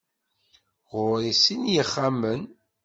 Ɣur-i sin n yixxamen.